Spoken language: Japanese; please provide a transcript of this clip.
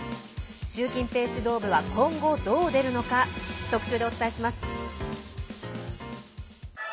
習近平指導部は、今後どう出るのか特集でお伝えします。